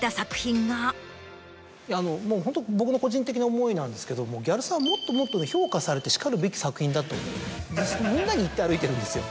もうホント僕の個人的な思いなんですけども『ギャルサー』はもっともっと評価されてしかるべき作品だとみんなに言って歩いてるんですよ。